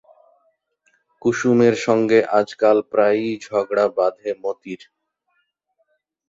কুসুমের সঙ্গে আজকাল প্রায়ই ঝগড়া বাধে মতির।